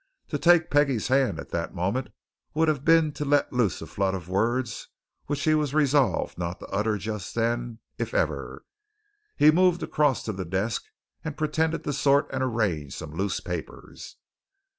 To take Peggie's hand at that moment would have been to let loose a flood of words which he was resolved not to utter just then, if ever. He moved across to the desk and pretended to sort and arrange some loose papers.